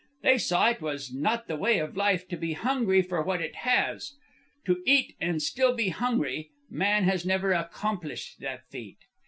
They saw it was not the way of life to be hungry for what it has. To eat and still be hungry man has never accomplished that feat.